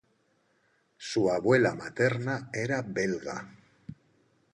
Su abuela materna era belga.